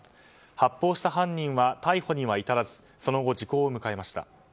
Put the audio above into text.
発砲した犯人は逮捕には至らずその後時効を迎えました。